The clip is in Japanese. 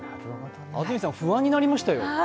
安住さん、不安になりましたよ。